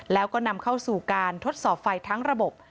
แล้วก็นำเข้าสู่การทดสอบไฟทั้งระบบ